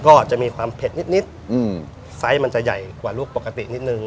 ก็จะมีความเผ็ดนิดไซส์มันจะใหญ่กว่าลูกปกตินิดนึง